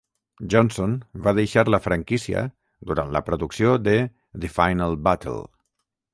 Johnson va deixar la franquícia durant la producció de "The Final Battle".